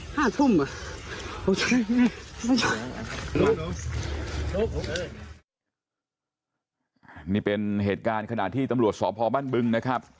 นี่เป็นเหตุการณ์ขณะที่ตำรวจสพบ้านบึงนะครับ